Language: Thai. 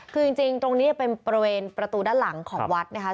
คือจริงตรงนี้จะเป็นบริเวณประตูด้านหลังของวัดนะคะ